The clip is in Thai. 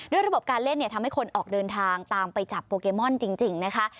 ระบบการเล่นทำให้คนออกเดินทางตามไปจับโปเกมอนจริงนะคะ